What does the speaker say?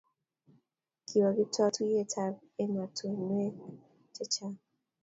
Kiwa Kiptoo tuiyet ab ematun wek chechang